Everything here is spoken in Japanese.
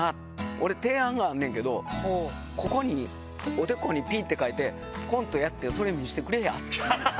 俺、提案があんねんけど、ここにおでこにＰって書いて、コントやって、それ見せてくれやって。